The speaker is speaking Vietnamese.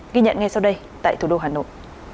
ghi nhận ngay sau đây tại thủ đô hà nội